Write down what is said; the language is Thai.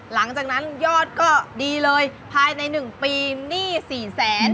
หลังจากนั้นยอดก็ดีเลยภายใน๑ปีหนี้๔๐๐๐๐๐บาท